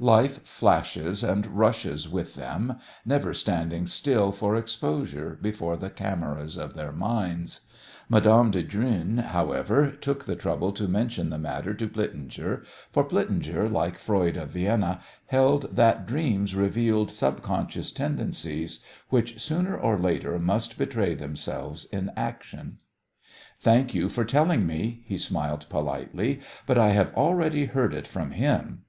Life flashes and rushes with them, never standing still for exposure before the cameras of their minds. Mme. de Drühn, however, took the trouble to mention the matter to Plitzinger, for Plitzinger, like Freud of Vienna, held that dreams revealed subconscious tendencies which sooner or later must betray themselves in action. "Thank you for telling me," he smiled politely, "but I have already heard it from him."